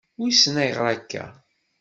Wissen ayɣeṛ akka.